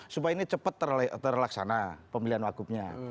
supaya ini cepat terlaksana pemilihan wagubnya